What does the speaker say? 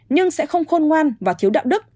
nhưng sẽ không khôn ngoan và thiếu đạo đức